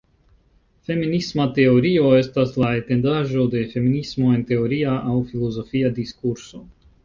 Feminisma teorio estas la etendaĵo de feminismo en teoria aŭ filozofia diskurso.